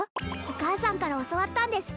お母さんから教わったんです